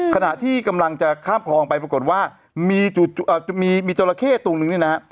ขณะที่กำลังจะข้ามคลองไปปรากฏว่ามีจราเข้ตัวนึงเนี่ยนะฮะ